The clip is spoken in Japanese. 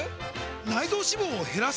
内臓脂肪を減らす！？